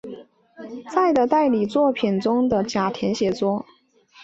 在的代理作品中的甲田写作。